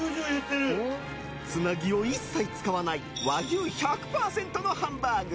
つなぎを一切使わない和牛１００％のハンバーグ。